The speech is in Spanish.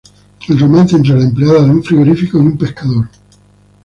El romance entre la empleada de un frigorífico y un pescador.